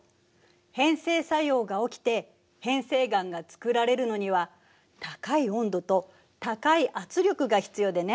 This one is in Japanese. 変成作用が起きて変成岩がつくられるのには高い温度と高い圧力が必要でね。